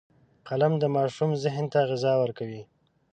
قلم د ماشوم ذهن ته غذا ورکوي